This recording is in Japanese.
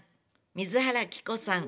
水原希子さん